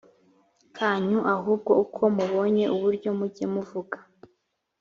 kanyu ahubwo uko mubonye uburyo mujye muvuga